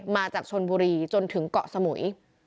มาจากชนบุรีจนถึงเกาะสมุย